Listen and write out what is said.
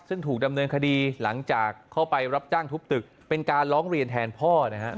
ซึ่งถูกดำเนินคดีหลังจากเข้าไปรับจ้างทุบตึกเป็นการร้องเรียนแทนพ่อนะครับ